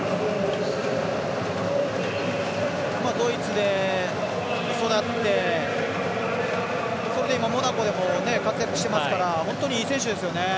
ドイツで育ってそれで今、モナコでも活躍してますから本当にいい選手ですよね。